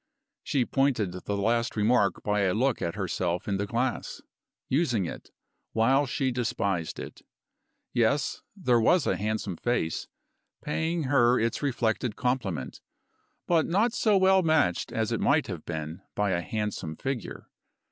She pointed the last remark by a look at herself in the glass; using it, while she despised it. Yes: there was a handsome face, paying her its reflected compliment but not so well matched as it might have been by a handsome figure.